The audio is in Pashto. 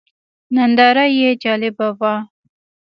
ننداره یې جالبه وه.